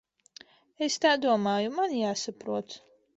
Es tā domāju. Man jāsaprot.